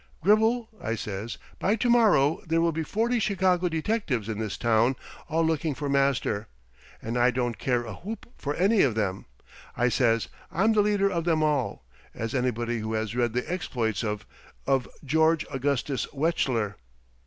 'Gribble,' I says, 'by to morrow there will be forty Chicago detectives in his town, all looking for Master. And I don't care a whoop for any of them,' I says. 'I'm the leader of them all, as anybody who has read the exploits of of George Augustus Wechsler